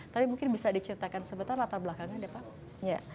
tapi mungkin bisa diceritakan sebentar latar belakangnya ada pak